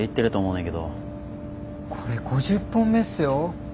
これ５０本目っすよ。